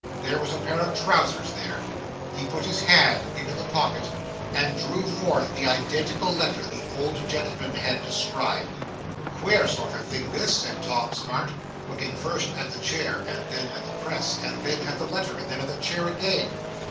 There was a pair of trousers there. He put his hand into the pocket, and drew forth the identical letter the old gentleman had described! '"Queer sort of thing, this," said Tom Smart, looking first at the chair and then at the press, and then at the letter, and then at the chair again.